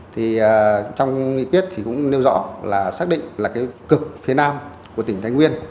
thì trong nghị quyết thì cũng nêu rõ là xác định là cái cực phía nam của tỉnh thái nguyên